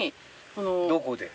どこで？